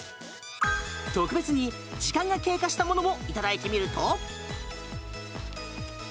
特別に、時間が経過したものもいただいてみると。